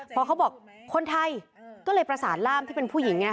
พอเขาบอกคนไทยก็เลยประสานล่ามที่เป็นผู้หญิงไง